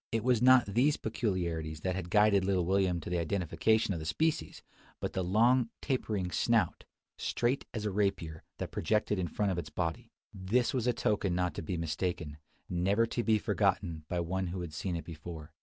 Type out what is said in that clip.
It was not these peculiarities that had guided little William to the identification of the species; but the long, tapering snout, straight as a rapier, that projected in front of its body. This was a token not to be mistaken, never to be forgotten by one who had seen it before.